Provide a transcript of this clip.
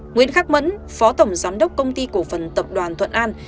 nguyễn khắc mẫn phó tổng giám đốc công ty cổ phần tập đoàn thuận an